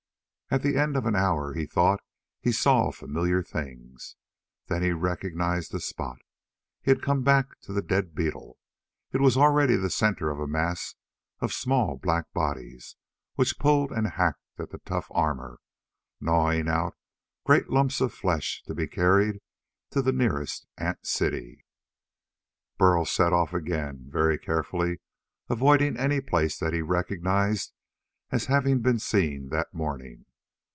At the end of an hour he thought he saw familiar things. Then he recognized the spot. He had come back to the dead beetle. It was already the center of a mass of small black bodies which pulled and hacked at the tough armor, gnawing out great lumps of flesh to be carried to the nearest ant city. Burl set off again, very carefully avoiding any place that he recognized as having been seen that morning.